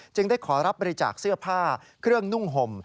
ได้ขอรับบริจาคเสื้อผ้าเครื่องนุ่งห่ม